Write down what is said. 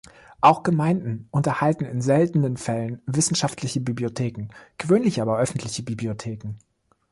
Auch Gemeinden unterhalten in seltenen Fällen Wissenschaftliche Bibliotheken, gewöhnlich aber Öffentliche Bibliotheken.